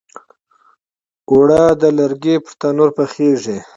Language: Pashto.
اوړه د لرګي پر تنور پخیږي